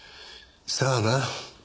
さあな。